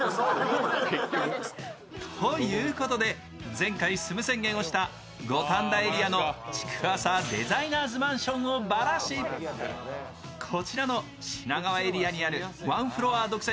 前回、住む宣言をした五反田エリアにある築浅デザイナーズマンションをばらし、こちらの品川エリアにある１フロア独占！